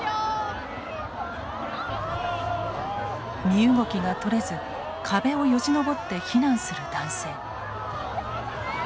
身動きがとれず壁をよじ登って避難する男性。